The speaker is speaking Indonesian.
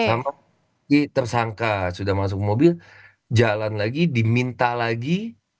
sama tersangka sudah masuk mobil jalan lagi diminta lagi